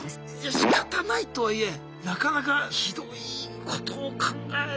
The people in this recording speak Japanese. しかたないとはいえなかなかひどいことを考えながら選ぶんだなって。